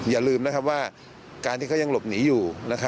อย่าลืมนะครับว่าการที่เขายังหลบหนีอยู่